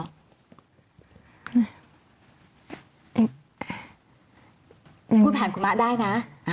พูดผ่านคุณมะได้นะ